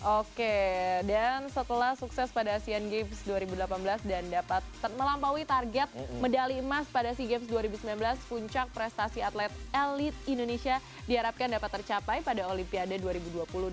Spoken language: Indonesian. oke dan setelah sukses pada asian games dua ribu delapan belas dan dapat melampaui target medali emas pada sea games dua ribu sembilan belas puncak prestasi atlet elit indonesia diharapkan dapat tercapai pada olimpiade dua ribu dua puluh dua